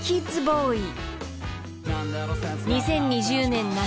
［２０２０年夏。